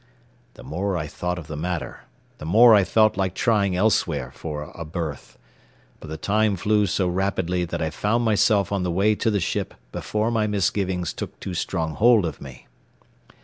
The more I thought of the matter, the more I felt like trying elsewhere for a berth; but the time flew so rapidly that I found myself on the way to the ship before my misgivings took too strong hold of me.